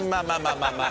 まあまあ。